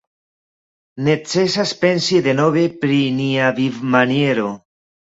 Necesas pensi denove pri nia vivmaniero.